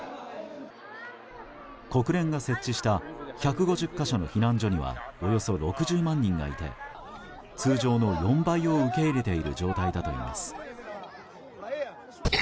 国連が設置した１５０か所の避難所にはおよそ６０万人がいて通常の４倍を受け入れている状態だといいます。